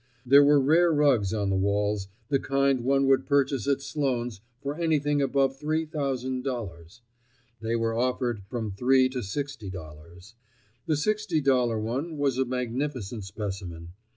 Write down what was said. There were rare rugs on the walls—the kind one would purchase at Sloane's for anything above three thousand dollars; they were offered at from three to sixty dollars. The sixty dollar one was a magnificent specimen.